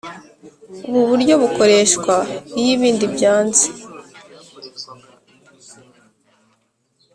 Ubu buryo bukoreshwa iyo ibindi byanze